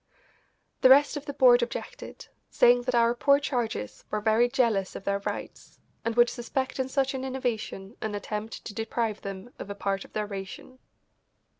The rest of the board objected, saying that our poor charges were very jealous of their rights, and would suspect in such an innovation an attempt to deprive them of a part of their ration.